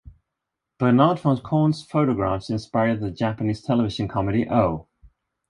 Bernard Faucon's photographs inspired the Japanese television comedy Oh!